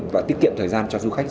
và tiết kiệm thời gian cho khách